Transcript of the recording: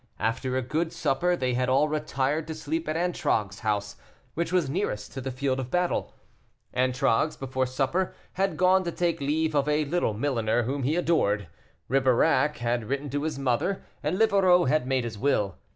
After a good supper, they had all retired to sleep at Antragues's house, which was nearest to the field of battle. Antragues, before supper, had gone to take leave of a little milliner whom he adored, Ribeirac had written to his mother, and Livarot had made his will.